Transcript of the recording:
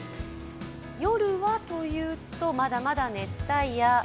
夜はというと、まだまだ熱帯夜。